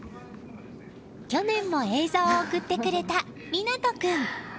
去年も映像を送ってくれた湊斗君。